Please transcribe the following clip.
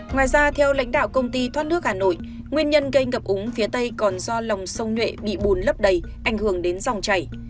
ngoài ra theo lãnh đạo công ty thoát nước hà nội nguyên nhân gây ngập úng phía tây còn do lòng sông nhuệ bị bùn lấp đầy ảnh hưởng đến dòng chảy